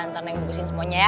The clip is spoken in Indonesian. ntar neng bungkusin semuanya ya